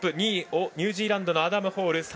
２位にニュージーランドのアダム・ホール。